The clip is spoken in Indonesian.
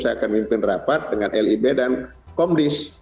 saya akan mimpin rapat dengan lib dan komdis